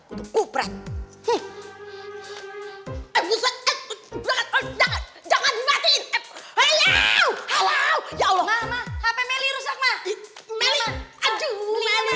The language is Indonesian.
hai eh jangan jangan jangan halau halau ya allah hape meliru sakit melihat aduh melihat ini mah ya allah kenapa ini